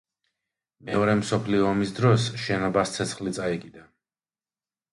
მეორე მსოფლიო ომის დროს შენობას ცეცხლი წაეკიდა.